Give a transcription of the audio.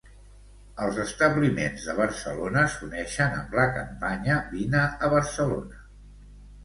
Els establiments de Barcelona s'uneixen amb la campanya Vine a Barcelona.